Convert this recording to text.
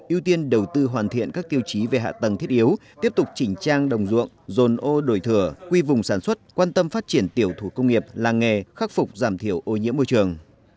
ưu tiên đầu tư hoàn thiện các tiêu chí về hạ tầng thiết yếu tiếp tục chỉnh trang đồng ruộng dồn ô đổi thửa quy vùng sản xuất quan tâm phát triển tiểu thủ công nghiệp làng nghề khắc phục giảm thiểu ô nhiễm môi trường